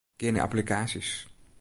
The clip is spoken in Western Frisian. Gean nei applikaasjes.